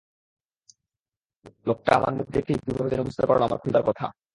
লোকটা আমার মুখ দেখেই কীভাবে যেন বুঝতে পারল আমার ক্ষুধার কথা।